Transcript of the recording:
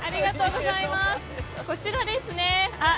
こちらですね。